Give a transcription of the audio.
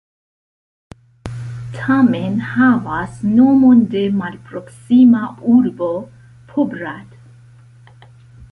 Tamen havas nomon de malproksima urbo Poprad.